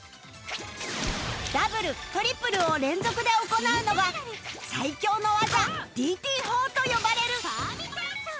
ダブルトリプルを連続で行うのが最強の技 ＤＴ 砲と呼ばれる